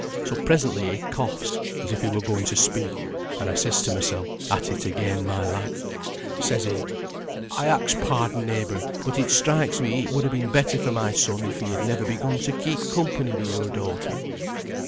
So presently he coughs, as if he were going to speak, and I says to mysel, 'At it again, my lad.' Says he, "'I ax pardon, neighbour, but it strikes me it would ha' been better for my son if he had never begun to keep company wi' your daughter.'